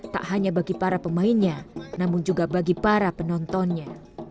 tak hanya bagi para pemainnya namun juga bagi para penontonnya